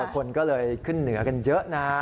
คนก็เลยขึ้นเหนือกันเยอะนะ